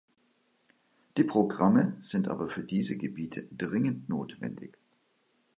Die Programme sind aber für diese Gebiete dringend notwendig.